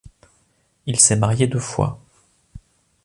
Il s'est marié deux fois.